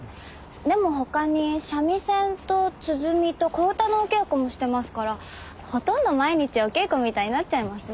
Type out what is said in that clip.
でも他に三味線と鼓と小唄のお稽古もしてますからほとんど毎日お稽古みたいになっちゃいますね。